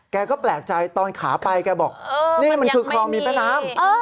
แกก็แปลกใจตอนขาไปแกบอกนี่มันคือคลองมีแม่น้ำ